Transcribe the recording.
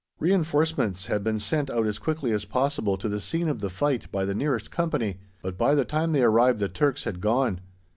Reinforcements had been sent out as quickly as possible to the scene of the fight by the nearest Company, but by the time they arrived the Turks had gone.